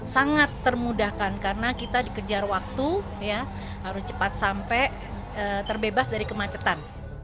sangat termudahkan karena kita dikejar waktu harus cepat sampai terbebas dari kemacetan